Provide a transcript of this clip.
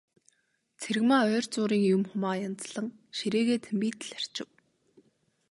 Цэрэгмаа ойр зуурын юм, хумаа янзлан ширээгээ цэмбийтэл арчив.